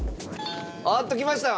あっときました！